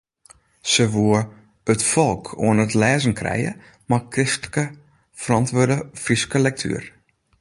Se woe ‘it folk’ oan it lêzen krije mei kristlik ferantwurde Fryske lektuer.